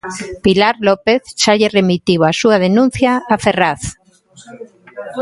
Pilar López xa lle remitiu a súa denuncia a Ferraz.